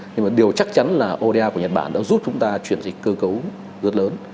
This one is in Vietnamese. nhưng mà điều chắc chắn là oda của nhật bản đã giúp chúng ta chuyển dịch cơ cấu rất lớn